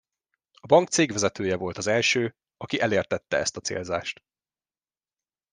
A bank cégvezetője volt az első, aki elértette ezt a célzást.